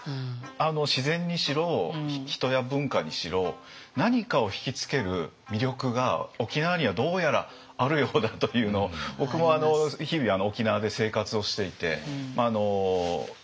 自然にしろ人や文化にしろ何かを引き付ける魅力が沖縄にはどうやらあるようだというのを僕も日々沖縄で生活をしていてすごく感じることですよね。